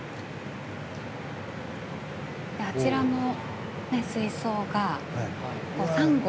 あちらの水槽がサンゴ。